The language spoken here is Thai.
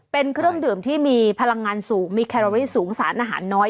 เป็นเครื่องดื่มที่มีพลังงานสูงมีแครอรี่สูงสารอาหารน้อย